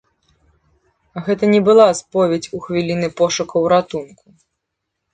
Гэта не была споведзь у хвіліны пошукаў ратунку.